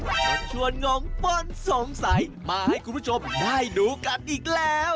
ชวนงงป้นสงสัยมาให้คุณผู้ชมได้ดูกันอีกแล้ว